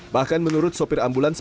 bahkan menurut sopir ambulans